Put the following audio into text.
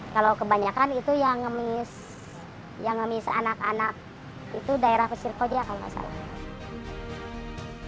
kalau kebanyakan itu yang ngemis yang ngemis anak anak itu daerah pesirko dia kalau enggak salah